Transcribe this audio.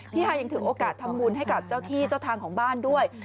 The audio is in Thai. ฮายยังถือโอกาสทำบุญให้กับเจ้าที่เจ้าทางของบ้านด้วย